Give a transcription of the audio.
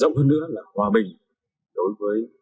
rộng hơn nữa là hòa bình đối với